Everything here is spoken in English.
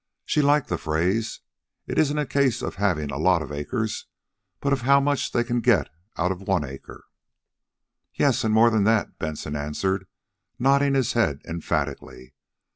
She liked that phrase. "It isn't a case of having a lot of acres, but of how much they can get out of one acre." "Yes, and more than that," Benson answered, nodding his head emphatically.